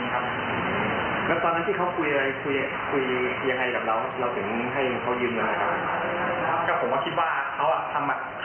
เขายากตรงการเหตุความรู้จักเดียวและพวกเอ้นเสียงที่ก้าวมาสร้าง